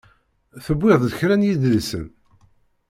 Tewwiḍ-d kra n yidlisen?